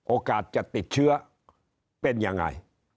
โอกาสจะติดเชื้อเป็นยังไง